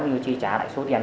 như chi trả lại số tiền